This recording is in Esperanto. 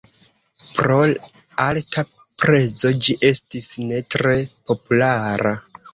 Pro alta prezo ĝi estis ne tre populara.